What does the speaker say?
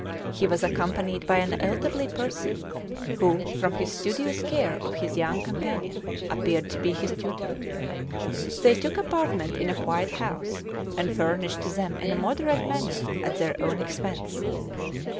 He was accompanied by an elderly person, who, from his studious care of his young companion, appeared to be his tutor. They took apartments in a quiet house, and furnished them in a moderate manner at their own expense.